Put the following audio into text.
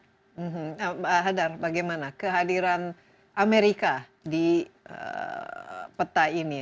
mbak hadar bagaimana kehadiran amerika di peta ini